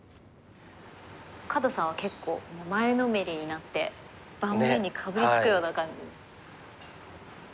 角さんは結構前のめりになって盤面にかぶりつくような感じ。